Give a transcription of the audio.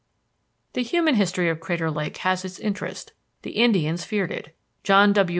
The human history of Crater Lake has its interest. The Indians feared it. John W.